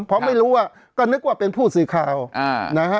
เพราะไม่รู้ว่าก็นึกว่าเป็นผู้สื่อข่าวนะฮะ